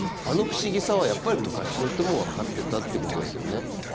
あの不思議さはやっぱり昔の人も分かってたってことですよね。